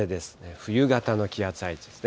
冬型の気圧配置ですね。